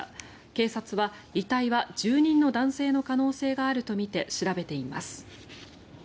警察は遺体は住人の男性の可能性があるとみて調べています。